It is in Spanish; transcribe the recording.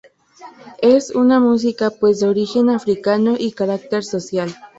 Es una música, pues, de origen africano y carácter social.